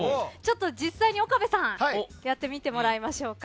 実際に岡部さんやってみてもらいましょうか。